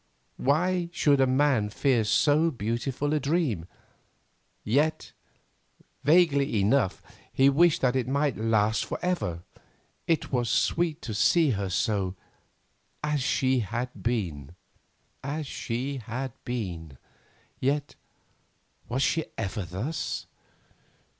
Why should a man fear so beautiful a dream? Yet, vaguely enough, he wished that it might last forever, for it was sweet to see her so—as she had been. As she had been—yet, was she ever thus?